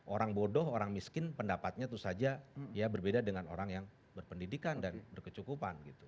orang bodoh orang miskin pendapatnya itu saja ya berbeda dengan orang yang berpendidikan dan berkecukupan gitu